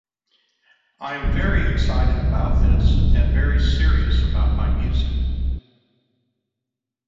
I am very excited about this and very serious about my music.